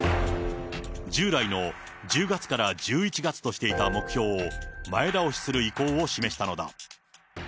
従来の１０月から１１月としていた目標を前倒しする意向を示したのだ。